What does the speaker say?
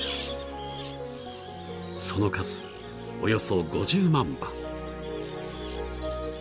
［その数およそ５０万羽］